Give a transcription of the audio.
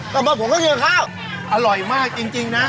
ต่อมาผมก็เจอข้าวอร่อยมากจริงนะ